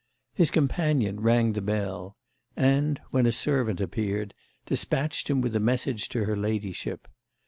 His companion rang the bell and, when a servant appeared, despatched him with a message to her ladyship.